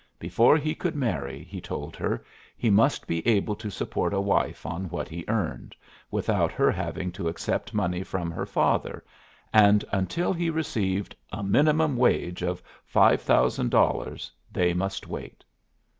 Before he could marry, he told her, he must be able to support a wife on what he earned, without her having to accept money from her father, and until he received "a minimum wage" of five thousand dollars they must wait.